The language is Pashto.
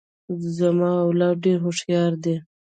زما اولاد ډیر هوښیار دي.